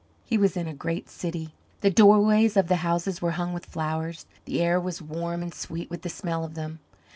He was in a great city. The doorways of the houses were hung with flowers and the air was warm and sweet with the smell of them.